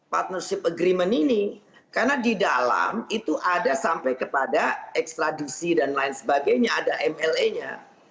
partnership agreement ini karena di dalam itu ada sampai kepada ekstradisi dan lain sebagainya ada mla nya